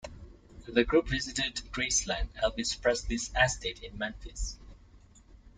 The group visited Graceland, Elvis Presley's estate in Memphis.